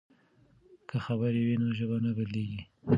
که خبرې وي نو ژبه نه بندیږي.